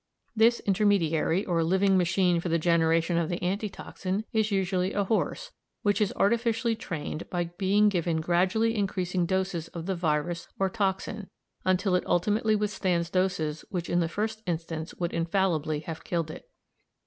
This intermediary, or living machine for the generation of the anti toxin, is usually a horse, which is artificially trained by being given gradually increasing doses of the virus or toxin, until it ultimately withstands doses which in the first instance would infallibly have killed it.